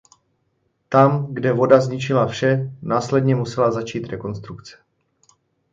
Tam, kde voda zničila vše, následně musela začít rekonstrukce.